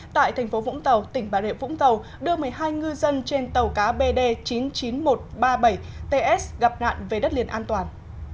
tại thành phố vũng tàu tỉnh bà rịa vũng tàu đưa một mươi hai ngư dân trên tàu cá bd chín mươi chín nghìn một trăm ba mươi bảy ts gặp nạn về đất liền an toàn